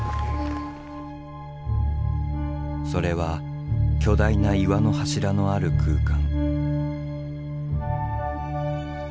それは巨大な岩の柱のある空間。